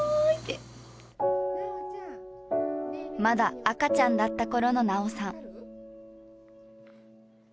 まだ赤ちゃんだったころの菜桜さん。